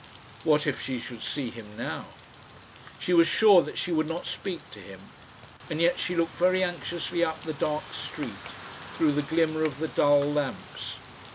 What if she should see him now? She was sure that she would not speak to him. And yet she looked very anxiously up the dark street, through the glimmer of the dull lamps.